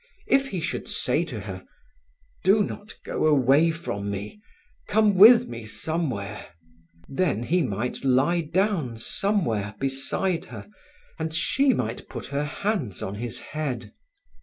If he should say to her, "Do not go away from me; come with me somewhere," then he might lie down somewhere beside her, and she might put her hands on his head.